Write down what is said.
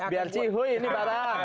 biar cihuy ini barang